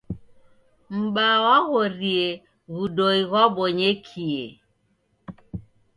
M'baa waghorie w'udoi ghwabonyekie.